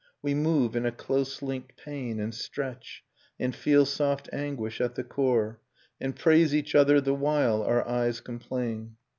.. We move in a close linked pain, And stretch, and feel soft anguish at the core, And praise each other the while our eyes complain.